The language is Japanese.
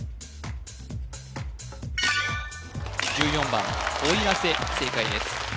１４番おいらせ正解です